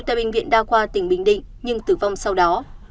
tại bệnh viện đa khoa tỉnh bình định nhưng tử vong sau đó